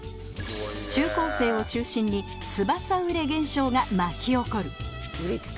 中高生を中心につばさ売れ現象が巻き起こる